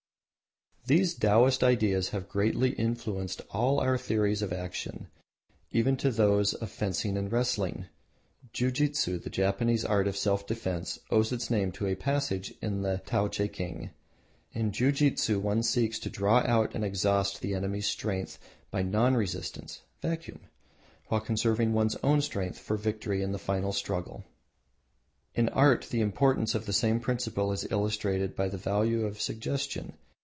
These Taoists' ideas have greatly influenced all our theories of action, even to those of fencing and wrestling. Jiu jitsu, the Japanese art of self defence, owes its name to a passage in the Tao teking. In jiu jitsu one seeks to draw out and exhaust the enemy's strength by non resistance, vacuum, while conserving one's own strength for victory in the final struggle. In art the importance of the same principle is illustrated by the value of suggestion.